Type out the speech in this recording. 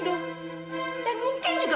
om yang kemarin